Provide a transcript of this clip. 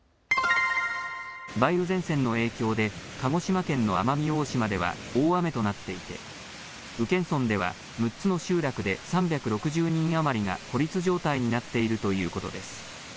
梅雨前線の影響で鹿児島県の奄美大島では大雨となっていて宇検村では６つの集落で３６０人余りが孤立状態になっているということです。